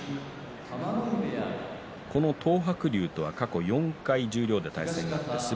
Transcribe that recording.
東白龍とは過去４回十両で対戦があります。